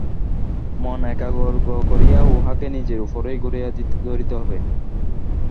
মন একাগ্র করিয়া উহাকে নিজেরই উপর ঘুরাইয়া ধরিতে হইবে।